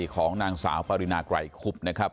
ของนางสาวปะรินากลายคุพรนะครับ